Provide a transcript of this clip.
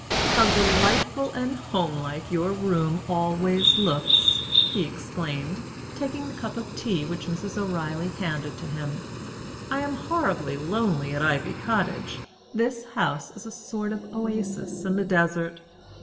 "How delightful and home like your room always looks!" he exclaimed, taking the cup of tea which Mrs. O'Reilly handed to him. "I am horribly lonely at Ivy Cottage. This house is a sort of oasis in the desert."